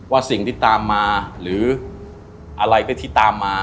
ว่าสิ่งที่ตามมาหรืออะไรก็ที่ตามมา